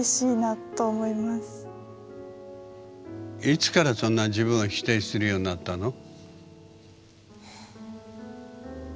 いつからそんな自分を否定するようになったの？